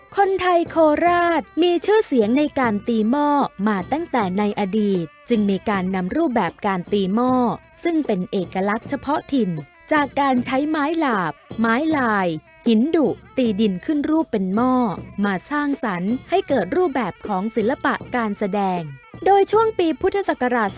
คนไทยโคราชมีชื่อเสียงในการตีหม้อมาตั้งแต่ในอดีตจึงมีการนำรูปแบบการตีหม้อซึ่งเป็นเอกลักษณ์เฉพาะถิ่นจากการใช้ไม้หลาบไม้ลายหินดุตีดินขึ้นรูปเป็นหม้อมาสร้างสรรค์ให้เกิดรูปแบบของศิลปะการแสดงโดยช่วงปีพุทธศักราช๒๕๖